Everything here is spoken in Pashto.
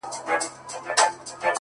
o نن مي بيا ټوله شپه،